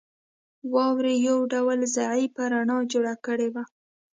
واورې یو ډول ضعیفه رڼا جوړه کړې وه